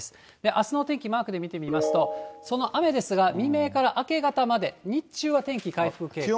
あすの天気、マークで見てみますと、その雨ですが、未明から明け方まで、日中は天気回復傾向。